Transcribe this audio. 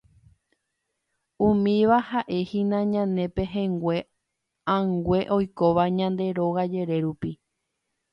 Umíva ha'ehína ñane pehẽngue ãngue oikóva ñande róga jere rupi.